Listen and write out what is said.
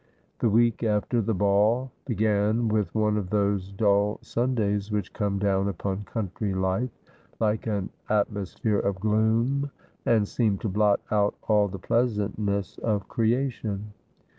The week after the ball began with one of those dull Sun days which come down upon country life like an atmosphere of gloom, and seem to blot out all the pleasantness of creation.